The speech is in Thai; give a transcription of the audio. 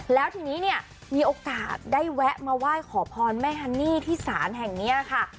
แล้วทีนี้เนี่ยมีโอกาสได้แวะมาไหว้ขอพรแม่ฮันนี่ที่ศาลแห่งนี้ค่ะ